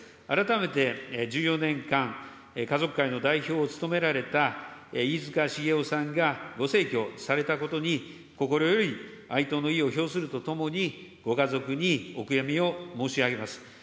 改めて１４年間、家族会の代表を務められた飯塚繁雄さんがご逝去されたことに心より哀悼を意を表するとともに、ご家族にお悔やみを申し上げます。